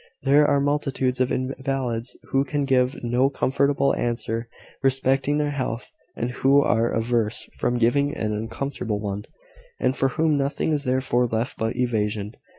There are multitudes of invalids who can give no comfortable answer respecting their health, and who are averse from giving an uncomfortable one, and for whom nothing is therefore left but evasion.